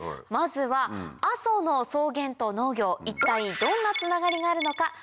まずは阿蘇の草原と農業一体どんなつながりがあるのか。